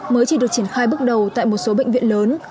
mới chỉ được triển khai bước đầu tại một số bệnh viện lớn